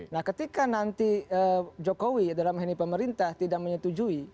nah ketika nanti jokowi dalam hal ini pemerintah tidak menyetujui